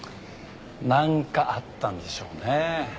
なんかあったんでしょうね。